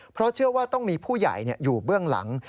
เพราะเชื่อว่าต้องมีผู้ใหญ่อยู่เบื้องหลัง